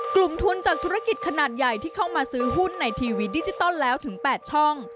กลุ่มทุนจากธุรกิจขนาดใหญ่ที่เข้ามาซื้อหุ้นในทีวีดิจิตอลแล้วถึง๘ช่อง